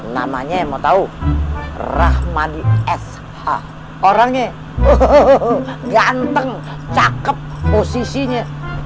namanya mau tahu rahmadi sh orangnya ganteng cakep posisinya